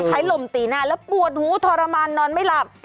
ลมตีหน้าแล้วปวดหูทรมานนอนไม่หลับ